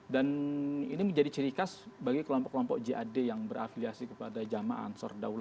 dan ini menjadi ciri khas bagi kelompok kelompok jad yang berafiliasi kepada jamaan